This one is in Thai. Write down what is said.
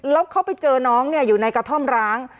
แล้วเขาไปเจอน้องอยู่ในกระท่อมร้าง